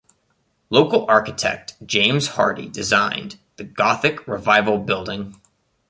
Local architect James Hardie designed the Gothic Revival building.